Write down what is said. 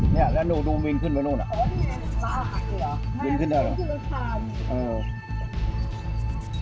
เนี้ยแล้วหนูดูวิ่งขึ้นไปนู่นอ่ะวิ่งขึ้นไปแล้วเหรอเออ